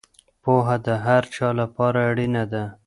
پوهه د هر چا لپاره اړینه ده.